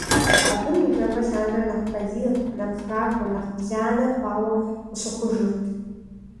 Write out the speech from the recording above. Абы ныжэбэ лъандэрэ нэхъ балигъ, нэхъ хахуэ, нэхъ бланэ хъуауэ къыщыхъужырт.